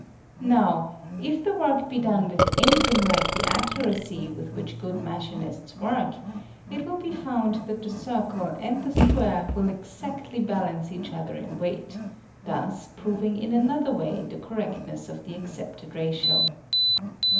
Now if the work be done with anything like the accuracy with which good machinists work, it will be found that the circle and the square will exactly balance each other in weight, thus proving in another way the correctness of the accepted ratio.